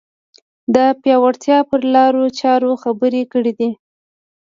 د پیاوړتیا پر لارو چارو خبرې کړې دي